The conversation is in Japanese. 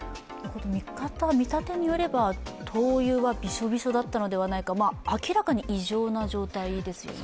見立てによれば、灯油はびしょびしょだったのではないか、明らかに異常な状態ですよね。